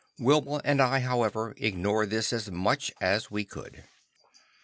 Wilma and I, however, ignored this as much as we could.